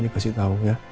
dikasih tahu ya